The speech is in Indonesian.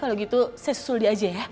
kalau gitu saya susul dia aja ya